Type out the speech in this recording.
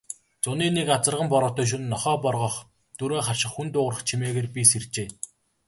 Зуны нэг азарган бороотой шөнө нохой боргоох, дөрөө харших, хүн дуугарах чимээгээр би сэржээ.